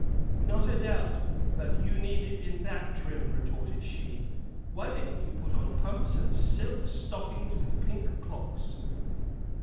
"Not a doubt but you need it in that trim," retorted she. "Why didn't you put on pumps and silk stockings with pink clocks?"